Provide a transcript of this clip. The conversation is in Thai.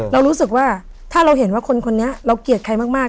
เรารู้สึกว่าถ้าเราเห็นว่าคนคนนี้เราเกลียดใครมาก